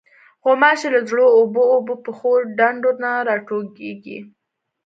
غوماشې له زړو اوبو، اوبو پخو ډنډو نه راټوکېږي.